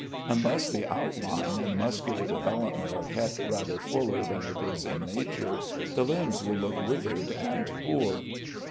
Unless the outline and muscular development are kept rather fuller than it is in nature, the limbs will look withered and poor.